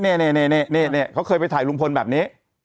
เนี้ยเนี้ยเนี้ยเนี้ยเนี้ยเขาเคยไปถ่ายลุงพลแบบนี้